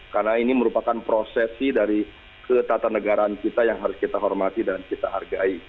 karena ini merupakan prosesi dari ketatanegaraan kita yang harus kita hormati dan kita hargai